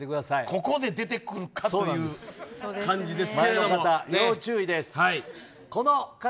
ここで出てくるかという感じですよ、要注意です。